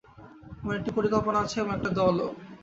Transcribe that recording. আমার একটি পরিকল্পনা আছে এবং একটা দলও।